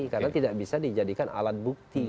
karena tidak bisa dijadikan alat bukti